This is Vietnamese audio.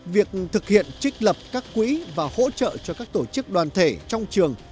việc thực hiện trích lập các quỹ và hỗ trợ cho các tổ chức đoàn thể trong trường